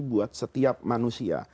buat setiap manusia